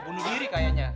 bunuh diri kayaknya